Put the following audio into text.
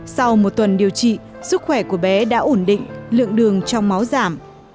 sau một tuần điều trị sức khỏe của bé đã ổn định lượng đường trong máu giảm